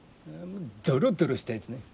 ドロドロしたやつね。